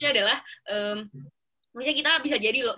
adalah maksudnya kita bisa jadi loh